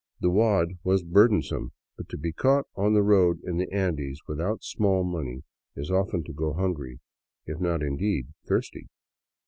The wad was burdensome, but to be caught on the road in the Andes with out small money is often to go hungry, if not, indeed, thirsty.